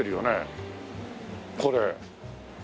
これ。